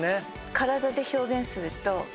体で表現するとああ！